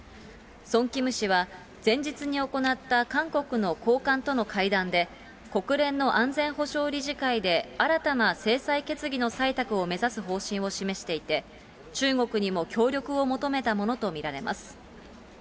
ソン・キム氏は、前日に行った韓国の高官との会談で、国連の安全保障理事会で、新たな制裁決議の採択を目指す方針を示していて、中国にも協力を求めたものと見られます。